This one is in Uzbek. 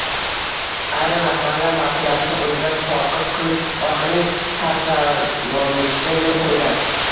Ayrim rahbarlar mas’uliyatni o‘zidan soqit qilish orqali sansalorlikka yo‘l qo‘ygan